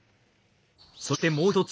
そしてもう一つ